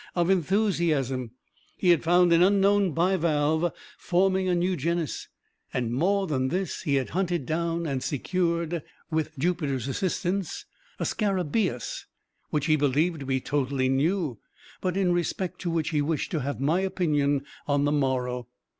of enthusiasm. He had found an unknown bivalve, forming a new genus, and, more than this, he had hunted down and secured, with Jupiter's assistance, a scarabaeus which he believed to be totally new, but in respect to which he wished to have my opinion on the morrow.